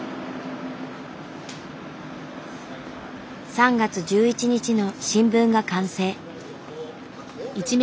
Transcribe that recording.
３月１１日の新聞が完成。